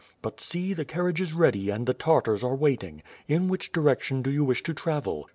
But see, the carriage is ready and the Tartars are waiting. In which direction do you wish to travel?"